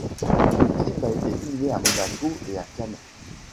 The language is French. Le clip a été filmé à Monaco et à Cannes.